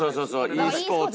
ｅスポーツ。